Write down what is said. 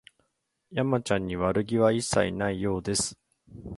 山ちゃんに悪気は一切ないようです